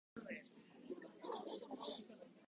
リライトして